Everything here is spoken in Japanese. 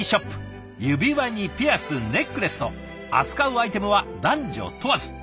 指輪にピアスネックレスと扱うアイテムは男女問わず。